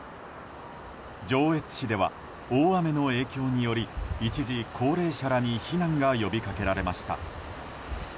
上越市では大雨の影響により一時、高齢者らに避難が呼びかけられました。